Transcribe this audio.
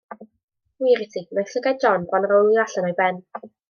Wir i ti, wnaeth llygaid John bron rowlio allan o'i ben.